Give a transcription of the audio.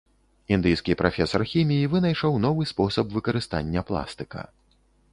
Індыйскі прафесар хіміі вынайшаў новы спосаб выкарыстання пластыка.